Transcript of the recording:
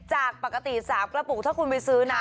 จากปกติ๓กระปุกถ้าคุณไปซื้อนะ